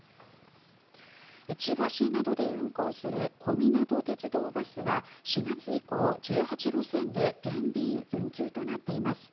千葉市などで運行する小湊鐵道バスは４月以降、１８路線で減便・運休となっています。